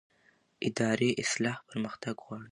اداري اصلاح پرمختګ غواړي